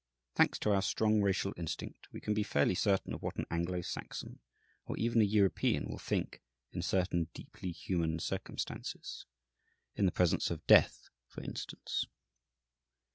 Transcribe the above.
Thanks to our strong racial instinct, we can be fairly certain of what an Anglo Saxon, or even a European, will think in certain deeply human circumstances in the presence of death, for instance.